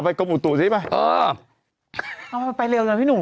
ใช่ไหมแม่ในข่าวใส่ไข่ที่แรกใช่ไหม